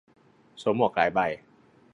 สวมหมวกหลายใบ